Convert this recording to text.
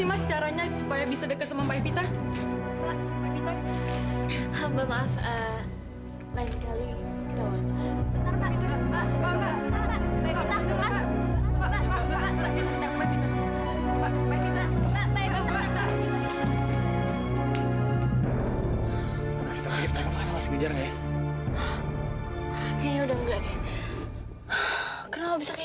mana buktinya kevin